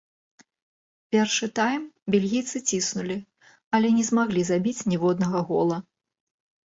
Першы тайм бельгійцы ціснулі, але не змаглі забіць ніводнага гола.